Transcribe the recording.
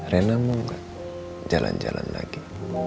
rena mau nggak jalan jalan lagi